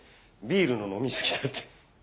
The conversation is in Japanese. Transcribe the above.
ビールの飲みすぎだって。